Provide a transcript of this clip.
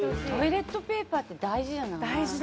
トイレットペーパーって大事じゃない？